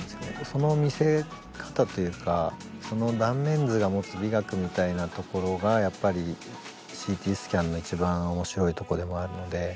その見せ方というかその断面図が持つ美学みたいなところがやっぱりＣＴスキャンの一番面白いとこでもあるので。